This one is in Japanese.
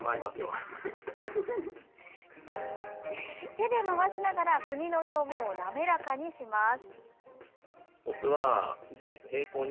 手で回しながら墨の表面を滑らかにします。